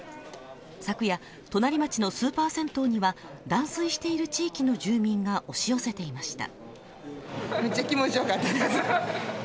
昨夜、隣町のスーパー銭湯には断水している地域の住民が押し寄せていました。